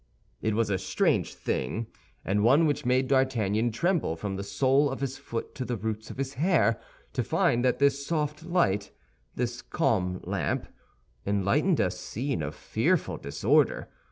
It was a strange thing, and one which made D'Artagnan tremble from the sole of his foot to the roots of his hair, to find that this soft light, this calm lamp, enlightened a scene of fearful disorder.